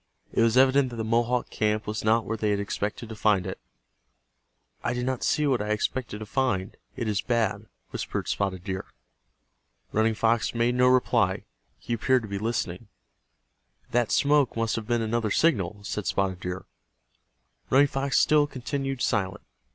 It was evident that the Mohawk camp was not where they had expected to find it. "I do not see what I expected to find—it is bad," whispered Spotted Deer. Running Fox made no reply. He appeared to be listening. "That smoke must have been another signal," said Spotted Deer. Running Fox still continued silent.